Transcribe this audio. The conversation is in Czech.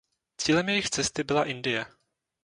Cílem jejich cesty byla Indie.